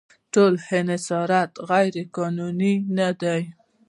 ټول انحصارات غیرقانوني نه دي.